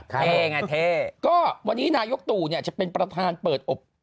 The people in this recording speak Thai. เท่ไงเท่ก็วันนี้นายกตู่เนี่ยจะเป็นประธานเปิดอบ